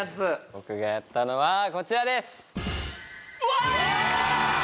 僕がやったのはこちらですうわ！